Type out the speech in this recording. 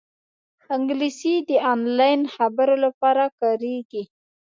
انګلیسي د آنلاین خبرو لپاره کارېږي